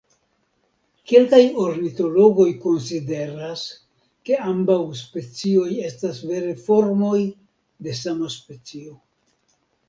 Kelkaj ornitologoj konsideras, ke ambaŭ specioj estas vere formoj de sama specio.